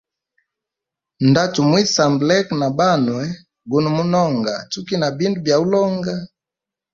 Ndatumwisamba leka na banwe guno mononga tukina bindu bya ulonga.